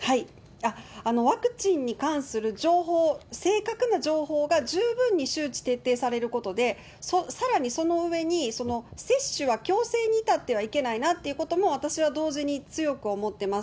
ワクチンに関する情報、正確な情報が十分に周知徹底されることで、さらにその上に、接種が強制に至ってはいけないなっていうことも、私は同時に強く思ってます。